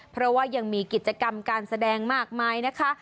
เพราะว่ายังมีกิจกรรมการแสดงมากมายนะคะ